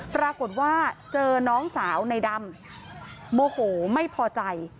ปรากฏว่าเจอน้องสาวในดำโมโหไม่พอใจ